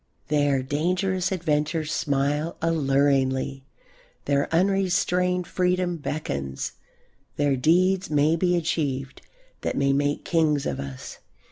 There dangerous adventures smile alluringly; there unrestrained freedom beckons; there deeds may be achieved that may make kings of us.